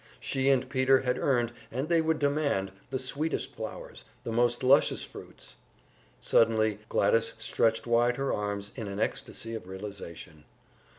She and Peter had earned, and they would demand, the sweetest flowers, the most luscious fruits. Suddenly Gladys stretched wide her arms in an ecstasy of realization.